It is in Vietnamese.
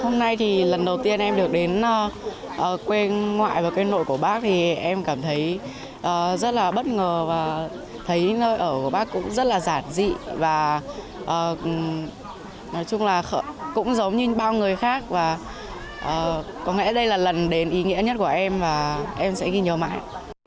nói chung là cũng giống như bao người khác và có nghĩa đây là lần đến ý nghĩa nhất của em và em sẽ ghi nhớ mãi